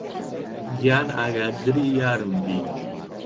گیان ئاگادری یارم بی